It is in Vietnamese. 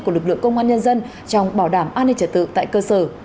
của lực lượng công an nhân dân trong bảo đảm an ninh trật tự tại cơ sở